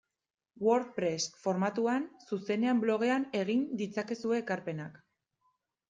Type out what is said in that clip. WordPress formatuan zuzenean blogean egin ditzakezue ekarpenak.